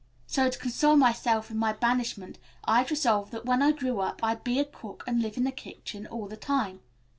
So to console myself in my banishment I'd resolve that when I grew up I'd be a cook and live in a kitchen all the time.